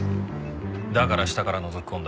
だから下からのぞき込んだ。